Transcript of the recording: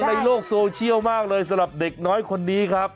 ในโลกโซเชียลมากเลยสำหรับเด็กน้อยคนนี้ครับ